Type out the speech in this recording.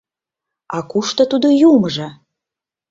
А кушто тудо юмыжо?